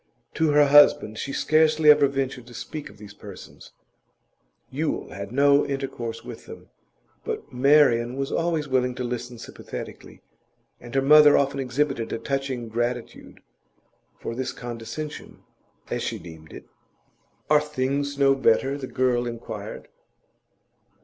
To her husband she scarcely ever ventured to speak of these persons; Yule had no intercourse with them. But Marian was always willing to listen sympathetically, and her mother often exhibited a touching gratitude for this condescension as she deemed it. 'Are things no better?' the girl inquired.